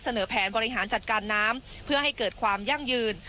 แผนบริหารจัดการน้ำเพื่อให้เกิดความยั่งยืน